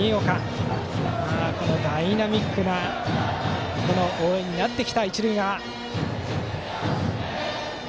そしてダイナミックな応援になってきた一塁側。